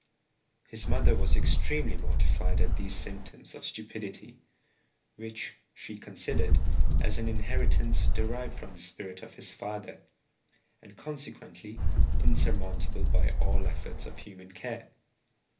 His mother was extremely mortified at these symptoms of stupidity, which she considered as an inheritance derived from the spirit of his father, and consequently insurmountable by all the efforts of human care.